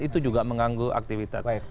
itu juga mengganggu aktivitas